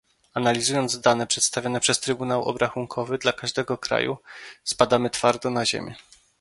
Analizując dane przedstawione przez Trybunał Obrachunkowy dla każdego kraju, spadamy twardo na ziemię